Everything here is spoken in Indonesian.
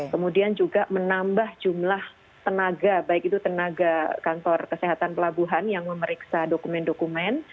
kemudian juga menambah jumlah tenaga baik itu tenaga kantor kesehatan pelabuhan yang memeriksa dokumen dokumen